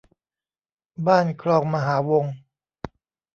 บ้านคลองมหาวงก์